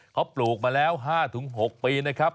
เขาปลูกมาแล้ว๕๖ปีนะครับ